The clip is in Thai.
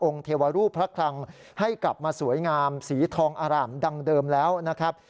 เทวรูปพระคลังให้กลับมาสวยงามสีทองอร่ามดังเดิมแล้วนะครับ